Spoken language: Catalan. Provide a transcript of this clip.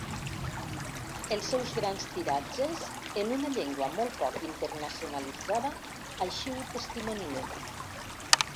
Els seus grans tiratges, en una llengua molt poc internacionalitzada, així ho testimonien.